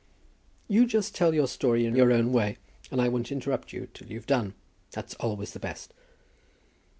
"You just tell your story in your own way, and I won't interrupt you till you've done. That's always the best."